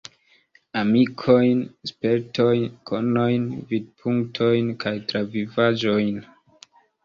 Amikojn, spertojn, konojn, vidpunktojn kaj travivaĵojn.